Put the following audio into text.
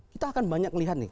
kita akan banyak lihat nih